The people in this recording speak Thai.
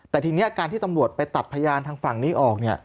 แต่ทีนี้การที่ตำรวจไปตัดพยานทางฝั่งนี้ออกเนี่ย